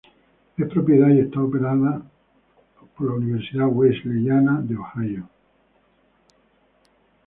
Es propiedad y está operado por la Universidad Wesleyana de Ohio.